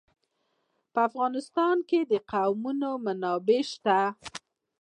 په افغانستان کې د قومونه منابع شته.